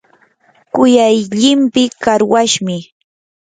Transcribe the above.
kuyay llimpii qarwashmi.